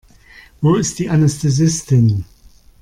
Wo ist die Anästhesistin?